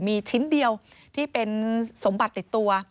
มีชิ้นเดียวที่เป็นสมบัติติดตัว